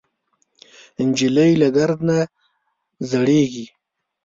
نجلۍ له درد نه زړېږي.